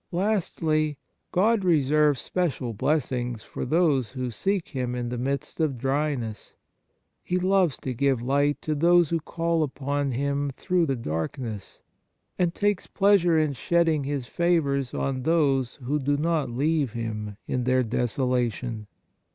Lastly, God reserves special blessings for those who seek Him in the midst of dryness. He loves to give light to those who call upon Him through the darkness, and takes pleasure in shedding His favours 31 On the Exercises of Piety on those who do not leave Him in their desolation.